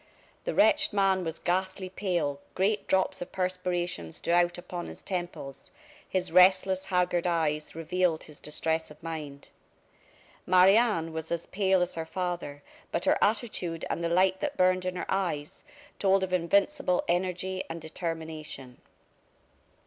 The wretched man was ghastly pale, great drops of perspiration stood out upon his temples, his restless, haggard eyes revealed his distress of mind. Marie Anne was as pale as her father, but her attitude and the light that burned in her eyes told of invincible energy and determination.